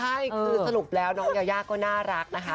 ใช่คือสรุปแล้วน้องยายาก็น่ารักนะคะ